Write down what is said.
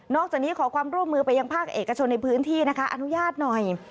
จากนี้ขอความร่วมมือไปยังภาคเอกชนในพื้นที่นะคะอนุญาตหน่อย